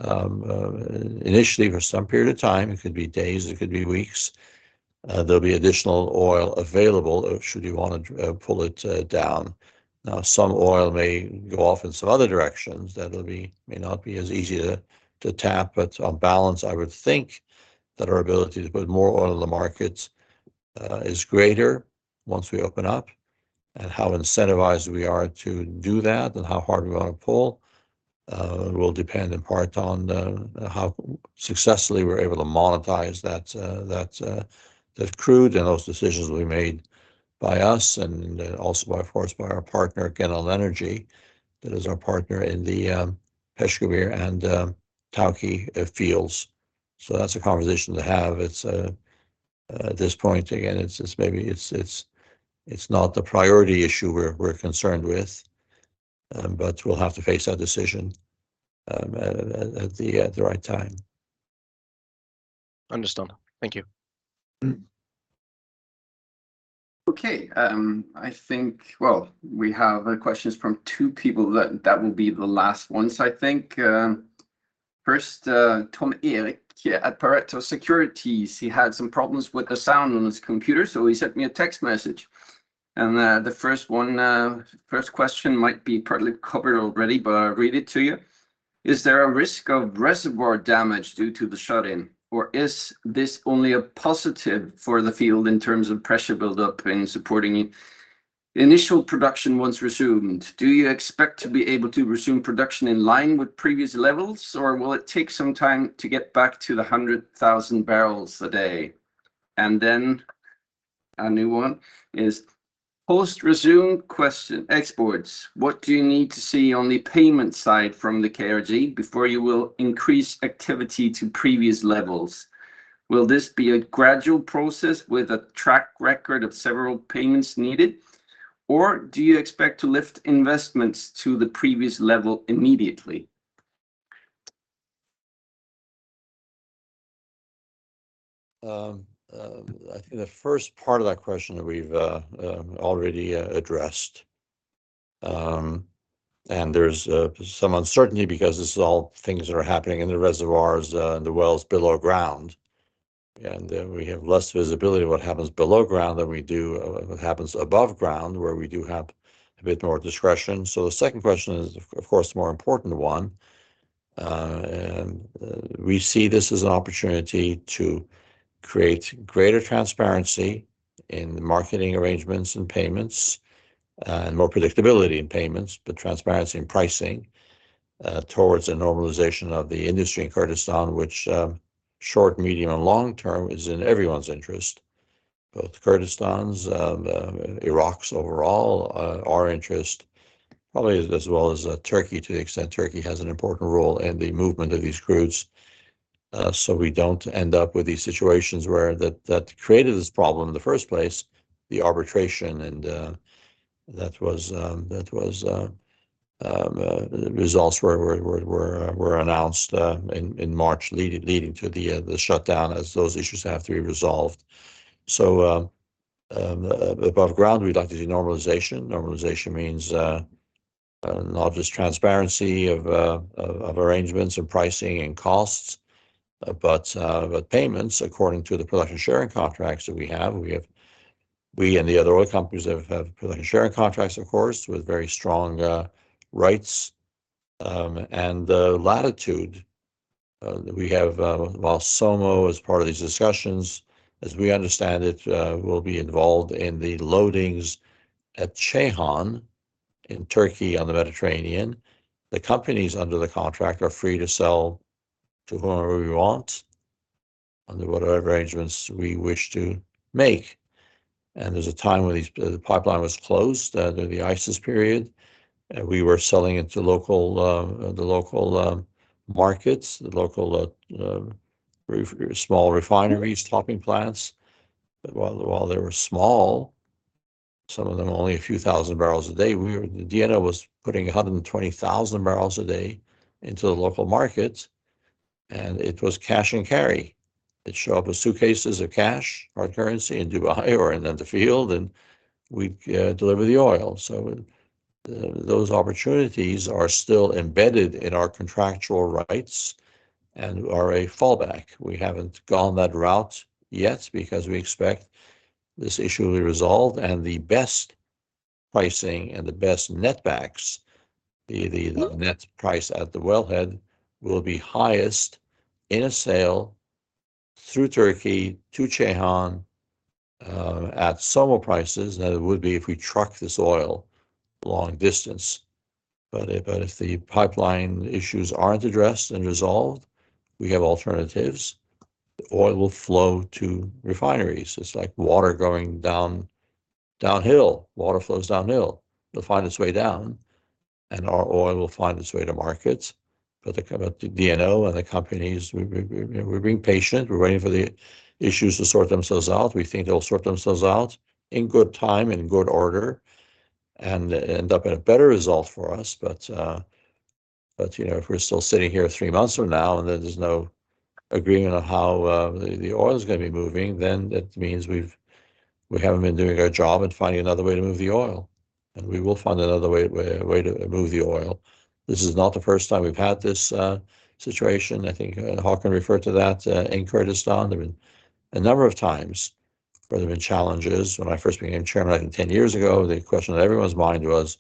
initially for some period of time, it could be days, it could be weeks, there will be additional oil available should you want to pull it down. Now, some oil may go off in some other directions that may not be as easy to tap. But on balance, I would think that our ability to put more oil in the markets is greater once we open up. And how incentivized we are to do that and how hard we want to pull will depend in part on how successfully we are able to monetize that crude, and those decisions will be made by us and also by, of course, by our partner, Genel Energy. That is our partner in the Peshkabir and Tawke fields. That's a conversation to have. It's at this point, again, it's, maybe it's not the priority issue we're concerned with, but we'll have to face that decision at the right time. Understood. Thank you. Mm. Okay. I think, well, we have questions from two people that will be the last ones, I think. First, Tom Eirik Kristiansen here at Pareto Securities, he had some problems with the sound on his computer, so he sent me a text message. The first one, first question might be partly covered already, but I'll read it to you. "Is there a risk of reservoir damage due to the shut-in, or is this only a positive for the field in terms of pressure buildup and supporting it? Initial production once resumed, do you expect to be able to resume production in line with previous levels, or will it take some time to get back to the 100,000 barrels a day? A new one is: Post-resumed question exports, what do you need to see on the payment side from the KRG before you will increase activity to previous levels? Will this be a gradual process with a track record of several payments needed, or do you expect to lift investments to the previous level immediately? I think the first part of that question we've already addressed. There's some uncertainty because this is all things that are happening in the reservoirs and the wells below ground. We have less visibility of what happens below ground than we do of what happens above ground, where we do have a bit more discretion. The second question is of course the more important one. We see this as an opportunity to create greater transparency in the marketing arrangements and payments, and more predictability in payments, but transparency in pricing towards the normalization of the industry in Kurdistan, which short, medium, and long term is in everyone's interest. Both Kurdistan's, Iraq's overall, our interest, probably as well as Turkey to the extent Turkey has an important role in the movement of these crudes, so we don't end up with these situations where that created this problem in the first place, the arbitration, and that was results were announced in March leading to the shutdown as those issues have to be resolved. Above ground, we'd like to see normalization. Normalization means not just transparency of arrangements and pricing and costs, but payments according to the production sharing contracts that we have. We and the other oil companies have production sharing contracts, of course, with very strong rights, and latitude. We have, while SOMO is part of these discussions, as we understand it, we'll be involved in the loadings at Ceyhan in Turkey on the Mediterranean. The companies under the contract are free to sell to whoever we want under whatever arrangements we wish to make. There's a time when these, the pipeline was closed during the ISIS period. We were selling it to local, the local markets, the local small refineries, topping plants. While they were small, some of them only a few thousand barrels a day, DNO was putting 120,000 barrels a day into the local markets, and it was cash and carry. They'd show up with suitcases of cash or currency in Dubai or in the field, and we'd deliver the oil. Those opportunities are still embedded in our contractual rights and are a fallback. We haven't gone that route yet because we expect this issue to be resolved, and the best pricing and the best net backs, the net price at the wellhead, will be highest in a sale through Turkey to Ceyhan at SOMO prices than it would be if we truck this oil long distance. If the pipeline issues aren't addressed and resolved, we have alternatives. The oil will flow to refineries. It's like water going down, downhill. Water flows downhill. It'll find its way down, and our oil will find its way to markets. The DNO and the companies, we're being patient. We're waiting for the issues to sort themselves out. We think they'll sort themselves out in good time, in good order, and end up in a better result for us. You know, if we're still sitting here three months from now, then there's no agreement on how the oil is gonna be moving, then that means we've, we haven't been doing our job and finding another way to move the oil. We will find another way to move the oil. This is not the first time we've had this situation. I think Haakon referred to that in Kurdistan. There have been a number of times where there have been challenges. When I first became chairman, I think 10 years ago, the question on everyone's mind was,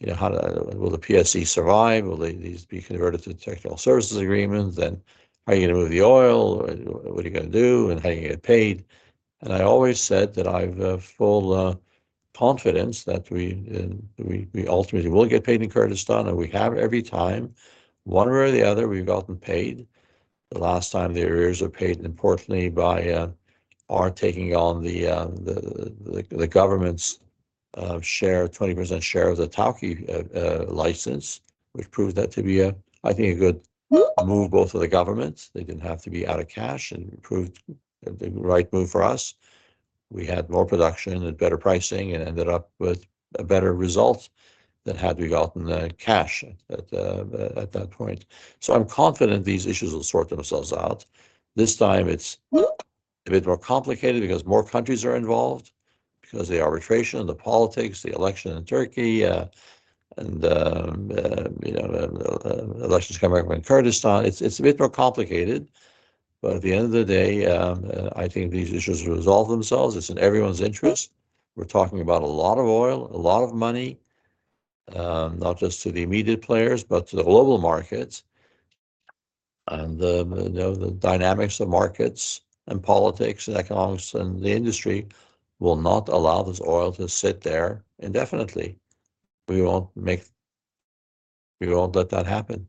you know, how will the PSC survive? Will these be converted to Technical Services Agreements? How are you gonna move the oil? What are you gonna do, and how are you gonna get paid? I always said that I've full confidence that we ultimately will get paid in Kurdistan, and we have every time. One way or the other, we've gotten paid. The last time the arrears are paid, importantly, by our taking on the government's share, 20% share of the Tawke license, which proved that to be a, I think, a good move both for the government. They didn't have to be out of cash. It proved the right move for us. We had more production and better pricing and ended up with a better result than had we gotten the cash at that point. I'm confident these issues will sort themselves out. This time it's a bit more complicated because more countries are involved, because the arbitration and the politics, the election in Turkey, and, you know, the elections coming up in Kurdistan. It's a bit more complicated. At the end of the day, I think these issues resolve themselves. It's in everyone's interest. We're talking about a lot of oil, a lot of money, not just to the immediate players, but to the global markets. The, you know, the dynamics of markets and politics and economics and the industry will not allow this oil to sit there indefinitely. We won't let that happen.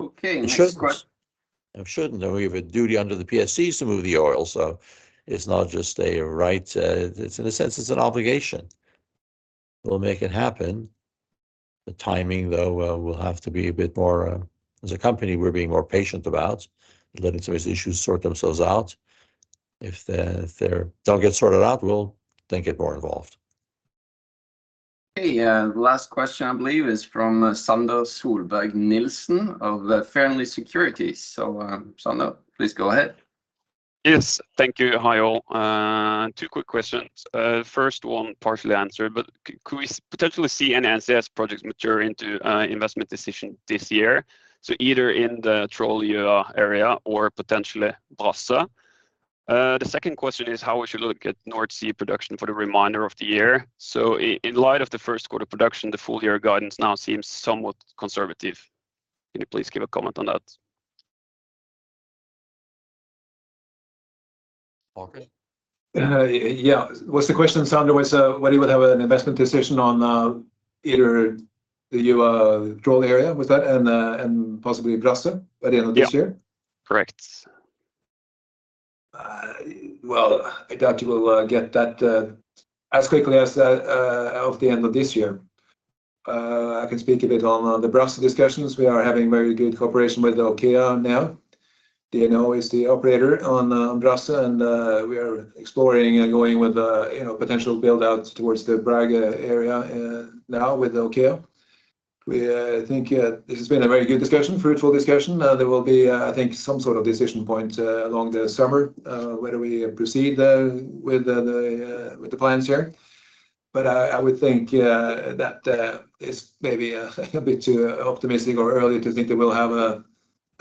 Okay, next. We shouldn't. We have a duty under the PSCs to move the oil. It's not just a right. It's in a sense, it's an obligation. We'll make it happen. The timing, though, will have to be a bit more. As a company, we're being more patient about letting some of these issues sort themselves out. If they're don't get sorted out, we'll then get more involved. Okay. Last question I believe is from Sander Solberg Nilsen of Fearnley Securities. Sander, please go ahead. Yes. Thank you. Hi, all. Two quick questions. First one partially answered, but could we potentially see any NCS projects mature into investment decision this year, either in the Troll area or potentially Brage? The second question is, how would you look at North Sea production for the reminder of the year? In light of the first quarter production, the full year guidance now seems somewhat conservative. Can you please give a comment on that? Haakon. Yeah. Was the question, Sander, was whether you would have an investment decision on either the Troll area, was that, and possibly Brage by the end of this year? Yeah. Correct. Well, I doubt you will get that as quickly as of the end of this year. I can speak a bit on the Brage discussions. We are having very good cooperation with OKEAN now. DNO is the operator on Brage, and we are exploring and going with, you know, potential build-outs towards the Brage area now with OKEAN. We think this has been a very good discussion, fruitful discussion. There will be, I think some sort of decision point along the summer, whether we proceed with the plans here. I would think that it's maybe a bit too optimistic or early to think that we'll have a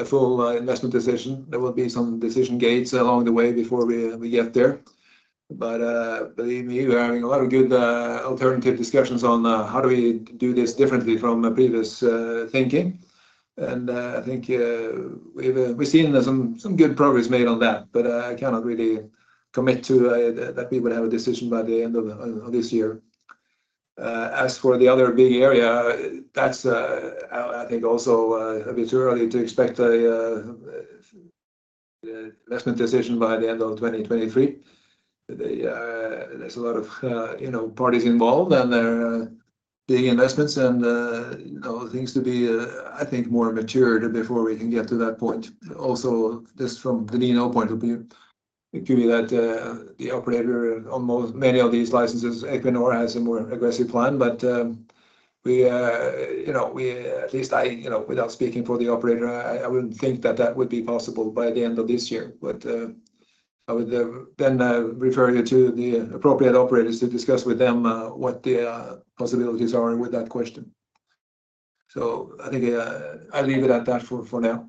full investment decision. There will be some decision gates along the way before we get there. Believe me, we're having a lot of good alternative discussions on how do we do this differently from previous thinking. I think we've seen some good progress made on that. I cannot really commit to that we would have a decision by the end of this year. As for the other big area, that's I think also a bit too early to expect a investment decision by the end of 2023. The there's a lot of, you know, parties involved, and they're big investments and, you know, things to be I think more matured before we can get to that point. Just from the DNO point of view, it could be that the operator on most, many of these licenses, Equinor, has a more aggressive plan. We, you know, we, at least I, you know, without speaking for the operator, I wouldn't think that that would be possible by the end of this year. I would, then, refer you to the appropriate operators to discuss with them what the possibilities are with that question. I think, I'll leave it at that for now.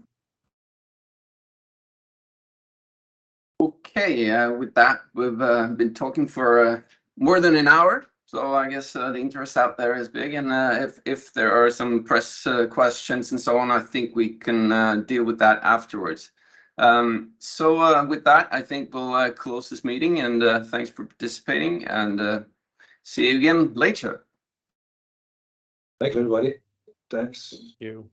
Okay. With that, we've been talking for more than an hour. I guess the interest out there is big. If there are some press questions and so on, I think we can deal with that afterwards. With that, I think we'll close this meeting. Thanks for participating, and see you again later. Thank you, everybody. Thanks. Thank you.